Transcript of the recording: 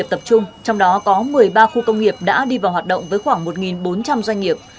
trong đó có một mươi ba khu công nghiệp đã đi vào hoạt động với khoảng một bốn trăm linh doanh nghiệp